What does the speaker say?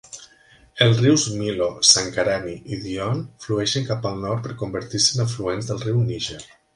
Els rius Milo, Sankarani i Dion flueixen cap al nord per convertir-se en afluents del riu Níger.